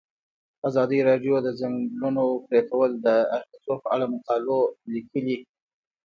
ازادي راډیو د د ځنګلونو پرېکول د اغیزو په اړه مقالو لیکلي.